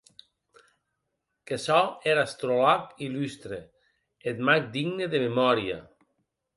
Que sò er astrològ illustre, eth mag digne de memòria!